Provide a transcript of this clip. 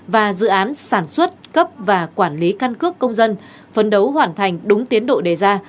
và dự án sản xuất cấp và quản lý căn cước công dân phấn đấu hoàn thành đúng tiến độ đề ra